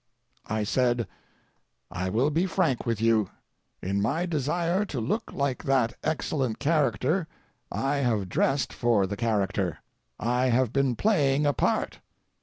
I said: "I will be frank with you. In my desire to look like that excellent character I have dressed for the character; I have been playing a part."